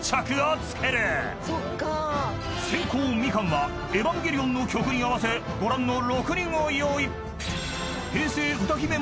［先攻みかんは『エヴァンゲリオン』の曲に合わせご覧の６人を用意］